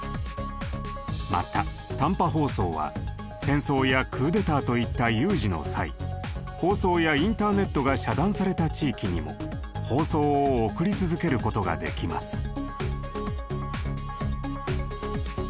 また短波放送は戦争やクーデターといった有事の際放送やインターネットが遮断された地域にも放送を送り続けることができます。